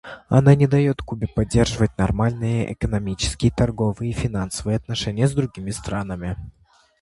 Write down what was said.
Она не дает Кубе поддерживать нормальные экономические, торговые и финансовые отношения с другими странами.